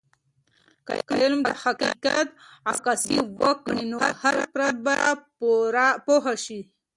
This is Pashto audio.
که علم د حقیقت عکاسي وکړي، نو هر فرد به پوه سي.